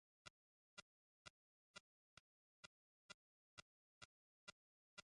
পাকিস্তানের সাবেক ক্রিকেটাররা শহীদ আফ্রিদিকে টি-টোয়েন্টি অধিনায়ক করার দাবি জানিয়ে আসছেন আগে থেকেই।